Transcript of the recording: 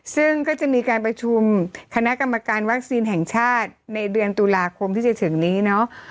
ซึ่งก็จะมีการประชุมคณะกรรมการวัคซีนแห่งชาติในเดือนตุลาคมที่จะถึงนี้เนาะ